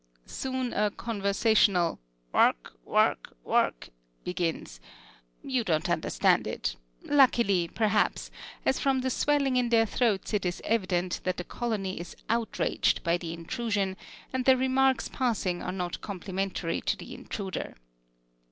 Soon a conversational "Wurk; wurk, wurk," begins: you don't understand it; luckily, perhaps, as from the swelling in their throats it is evident that the colony is outraged by the intrusion, and the remarks passing are not complimentary to the intruder.